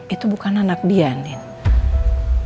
itu bukan anak dia nini